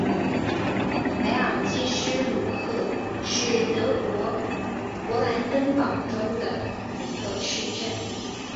梅尔基施卢赫是德国勃兰登堡州的一个市镇。